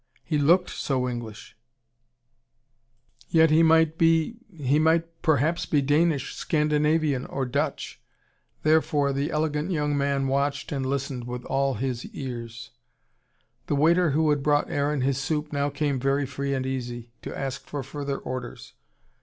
He looked so English yet he might be he might perhaps be Danish, Scandinavian, or Dutch. Therefore, the elegant young man watched and listened with all his ears. The waiter who had brought Aaron his soup now came very free and easy, to ask for further orders.